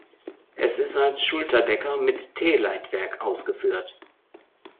Es ist als Schulterdecker mit T-Leitwerk ausgeführt.